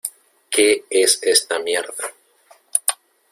¿Qué es esta mierda?